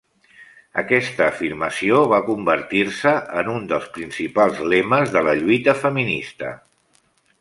Aquesta afirmació va convertir-se en un dels principals lemes de la lluita feminista.